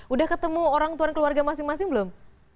udah ketemu orang tuan keluarga masing masing belum